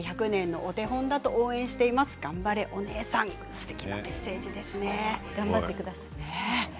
すてきなメッセージですね。